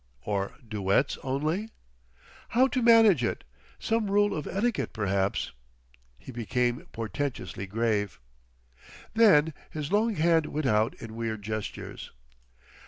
"Or duets only?... "How to manage it? Some rule of etiquette, perhaps."... He became portentously grave. Then his long hand went out in weird gestures.